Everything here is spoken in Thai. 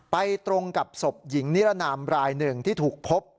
ไปตรงกับสบหญิงนิรนามราย๑ที่ถูกพบ